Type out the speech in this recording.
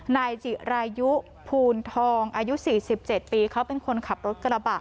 นายจิรายุภูลทองอายุ๔๗ปีเขาเป็นคนขับรถกระบะ